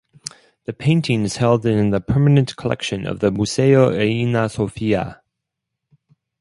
The painting is held in the permanent collection of the Museo Reina Sofia.